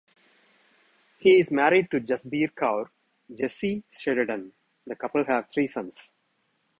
He is married to Jasbir Kaur "Jessie" Sheridan; the couple have three sons.